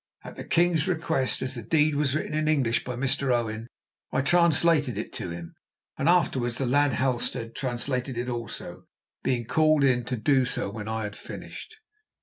At the king's request, as the deed was written in English by Mr. Owen, I translated it to him, and afterwards the lad Halstead translated it also, being called in to do so when I had finished.